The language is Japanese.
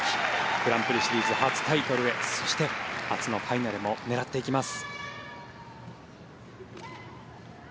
グランプリシリーズ初タイトルへそして初のファイナルも狙っていきます。